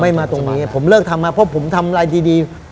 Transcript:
มาตรงนี้ผมเลิกทำมาเพราะผมทำอะไรดี